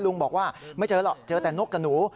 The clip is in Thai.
ลุงบอกว่าไม่เจอหรอกเจอแต่นกกับหนู